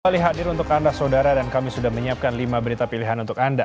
alih hadir untuk anda saudara dan kami sudah menyiapkan lima berita pilihan untuk anda